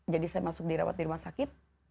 jadi saya masuk dirawat di rumah sakit